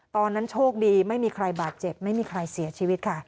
ตอนนั้นโชคดีไม่มีใครบาดเจ็บไม่มีใครเสียชีวิตค่ะ